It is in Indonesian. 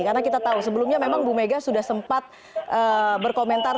karena kita tahu sebelumnya memang bu mega sudah sempat berkomentar